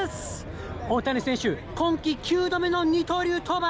大谷選手、今季９度目の二刀流登板。